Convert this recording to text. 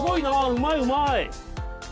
うまいうまい！